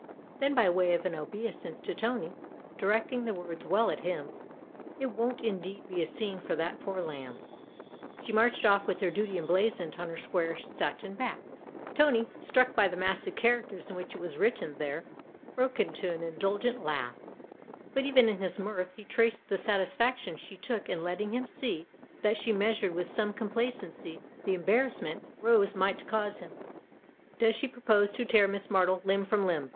Then by way of an obeisance to Tony, directing the words well at him :" It won't indeed be a scene for that poor lamb !" She marched off with her duty emblazoned on her square satin back. THE OTHER HOUSE 193 Tony, struck by the massive characters in which it was written there, broke into an indulgent laugh, but even in his mirth he traced the satisfaction she took in letting him see that she measured with some complacency the embarrassment Rose might cause him. " Does she propose to tear Miss Martle limb from limb